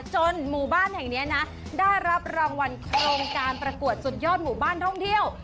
หมู่บ้านแห่งนี้นะได้รับรางวัลโครงการประกวดสุดยอดหมู่บ้านท่องเที่ยว